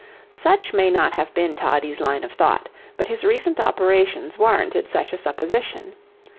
Such may not have been Toddie's line of thought, but his recent operations warranted such a supposition.